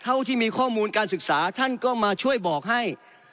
เท่าที่มีข้อมูลการศึกษาท่านก็มาช่วยบอกให้